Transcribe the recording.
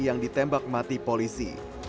yang ditembak mati polisi